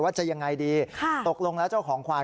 จะยังไงดีตกลงแล้วเจ้าของควาย